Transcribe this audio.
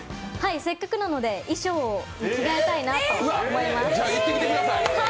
せっかくなので衣装を着替えたいなと思います。